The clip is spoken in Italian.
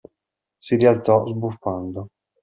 Si rialzò, sbuffando.